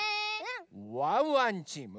ワンワンチーム。